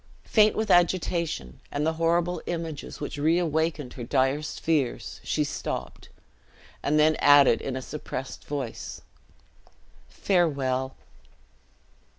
Faint with agitation, and the horrible images which reawakened her direst fears, she stopped; and then added in a suppressed voice, "Farewell!"